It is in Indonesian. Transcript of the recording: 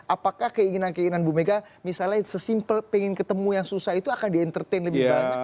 apakah keinginan keinginan bu mega misalnya sesimpel pengen ketemu yang susah itu akan di entertain lebih banyak